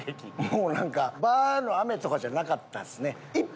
もうなんかバーッの雨とかじゃなかったっすね。